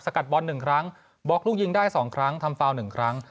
กัดบอล๑ครั้งบอกลูกยิงได้๒ครั้งทำฟาว๑ครั้ง